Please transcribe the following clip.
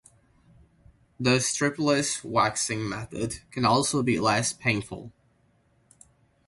The stripless waxing method can also be less painful.